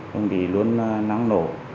đồng chí luôn nắng nổ